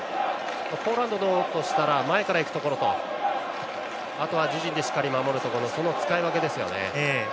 ポーランドとしたら前から行くところとあとは自陣でしっかり守るところその使い分けですね。